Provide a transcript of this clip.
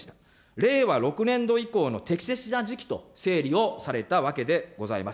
令和６年度以降の適切な時期と整理をされたわけでございます。